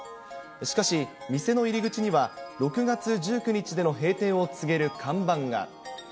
しかし、店の入り口には６月１９日での閉店を告げる看板が。